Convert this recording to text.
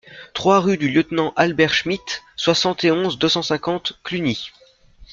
trois rue du Lieutenant Albert Schmitt, soixante et onze, deux cent cinquante, Cluny